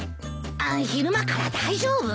あ昼間から大丈夫？